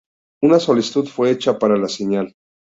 Una solicitud fue hecha para la señal.